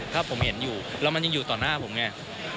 ถ้าผมเห็นอยู่แล้วมันยังอยู่ต่อหน้าผมไง